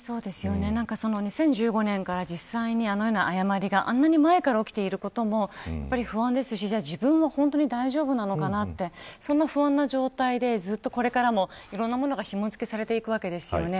２０１５年から実際にあのような誤りがあんなに前から起きていることも不安ですし、自分も本当に大丈夫なのかなってそんな不安な状態でずっとこれからもいろんな物がひも付けされていくわけですよね。